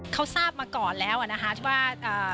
เขาทราบมาก่อนแล้วว่า